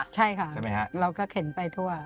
ใช่ค่ะเราก็เข็นไปทั่ว